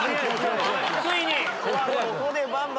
ついに。